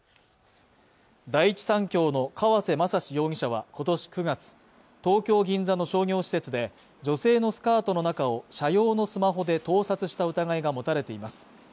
第一三共の川瀬雅史容疑者は今年９月東京銀座の商業施設で女性のスカートの中を社用のスマホで盗撮した疑いが持たれています